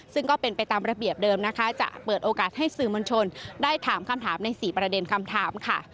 ซึ่งก็เป็นไปตามระเบียบเดิมนะคะจะเปิดโอกาสให้สื่อมวลชนได้ถามคำถามใน๔ประเด็นคำถามค่ะ